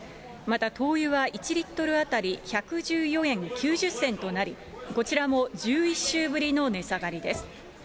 また灯油は１リットル当たり１１４円９０銭となり、こちらも１１週ぶりの値下がりです。